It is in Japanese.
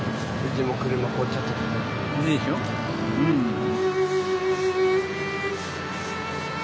うん。